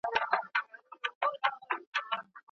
بايد د ټولني د افرادو له راپارولو ډډه وسي.